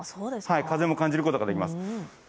風も感じることができます。